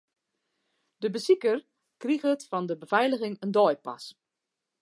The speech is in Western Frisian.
De besiker kriget fan de befeiliging in deipas.